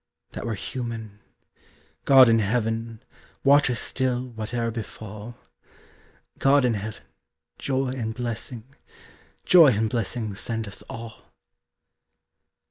That were human! God in heaven, Watch us still whate'er befall! God in heaven, joy and blessing, Joy and blessing send us all!